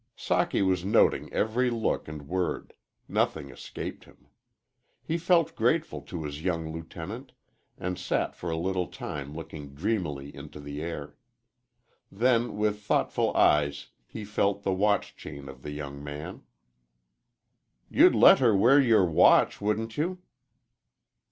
Socky was noting every look and word nothing escaped him. He felt grateful to his young lieutenant, and sat for a little time looking dreamily into the air. Then, with thoughtful eyes, he felt the watch chain of the young man. "You'd let her wear your watch wouldn't you?"